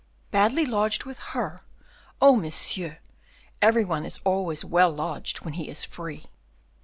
Badly lodged with her! Oh, monsieur, every one is always well lodged when he is free."